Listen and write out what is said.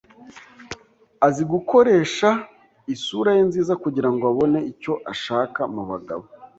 Azi gukoresha isura ye nziza kugirango abone icyo ashaka mubagabo.